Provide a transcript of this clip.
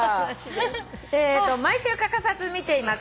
「毎週欠かさず見ています」